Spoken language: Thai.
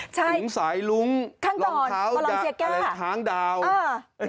ใช่หลุงสายหลุงรองเท้าอะไรทางดาวน์